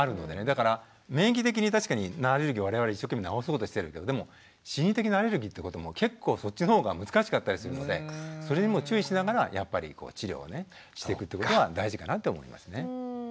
だから免疫的に確かにアレルギーを我々一生懸命治そうとしてるけどでも心理的なアレルギーってことも結構そっちの方が難しかったりするのでそれにも注意しながらやっぱりこう治療をねしていくっていうことは大事かなって思いますね。